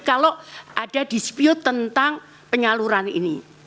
kalau ada dispute tentang penyaluran ini